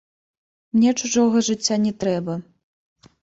Мне чужога жыцця не трэба.